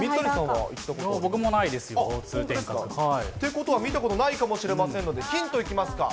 僕もないです、通天閣。ってことは見たことないかもしれませんので、ヒントいきますか。